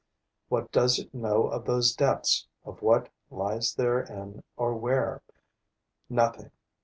What does it know of those depths, of what lies therein or where? Nothing.